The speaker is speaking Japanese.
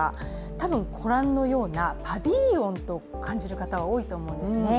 多分、ご覧のようなパビリオンと感じる方、多いと思うんですね。